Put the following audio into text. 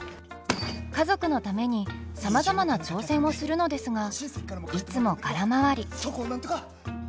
家族のためにさまざまな挑戦をするのですがいつも空回り。